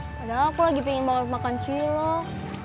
padahal aku lagi pengen banget makan cilok